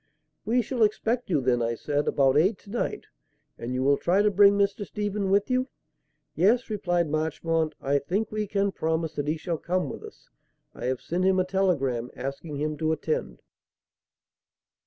"We shall expect you then," I said, "about eight to night, and you will try to bring Mr. Stephen with you?" "Yes," replied Marchmont; "I think we can promise that he shall come with us. I have sent him a telegram asking him to attend."